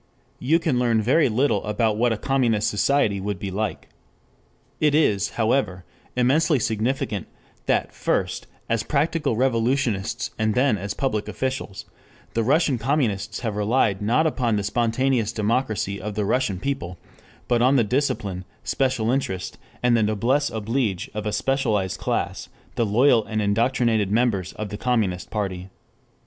You can learn very little about what a communist society would be like. It is, however, immensely significant that, first as practical revolutionists and then as public officials, the Russian communists have relied not upon the spontaneous democracy of the Russian people, but on the discipline, special interest and the noblesse oblige of a specialized class the loyal and indoctrinated members of the Communist party.